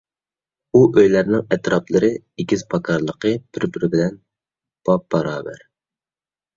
ئۇ ئۆيلەرنىڭ ئەتراپلىرى، ئېگىز - پاكارلىقى بىر - بىرى بىلەن بابباراۋەر.